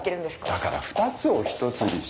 だから２つを１つにし。